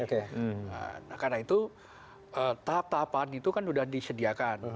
karena itu tahap tahapan itu kan sudah disediakan